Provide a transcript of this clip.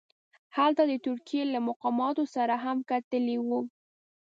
هلته یې د ترکیې له مقاماتو سره هم کتلي وه.